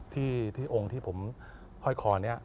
ที่องค์ที่ผมห้อยคอนี้